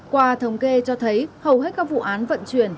qua thống kê cho thấy hầu hết các vụ án vận chuyển